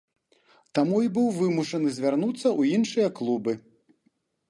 Таму і быў вымушаны звярнуцца ў іншыя клубы.